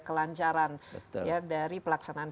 kelancaran dari pelaksanaan